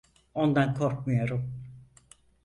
Ondan korkmuyorum.